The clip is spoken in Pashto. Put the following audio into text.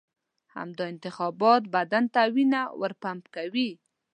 همدا انتخابات بدن ته وینه ورپمپوي.